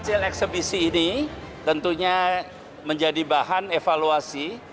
esports ini tentunya menjadi bahan evaluasi